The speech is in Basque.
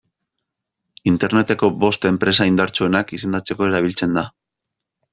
Interneteko bost enpresa indartsuenak izendatzeko erabiltzen da.